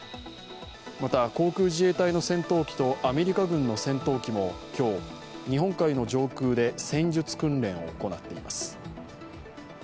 また航空自衛隊の戦闘機とアメリカ軍の戦闘機も今日、日本海の上空で戦術訓練を行っています。